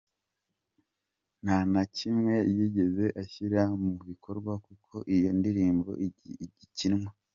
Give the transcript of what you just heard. nta na kimwe yigeze ashyira mu bikorwa kuko iyo ndirimbo igikinwa.